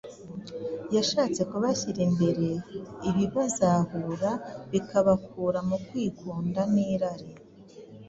yashatse kubashyira imbere ibibazahura bikabakura mu kwikunda n’irari,